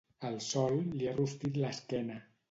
El sol li ha rostit l'esquena.